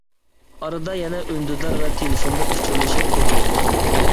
ئارىدا يەنە ئۈندىدار ۋە تېلېفوندا ئۇچۇرلىشىپ تۇردۇق.